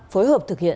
phối hợp thực hiện